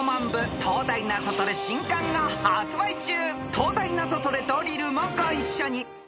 ［『東大ナゾトレドリル』もご一緒に］